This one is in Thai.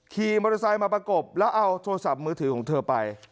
ขี่มอเตอร์ไซค์มาประกบแล้วเอาโทรศัพท์มือถือของเธอไป